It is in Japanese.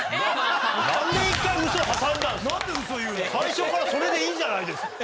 最初からそれでいいじゃないですか。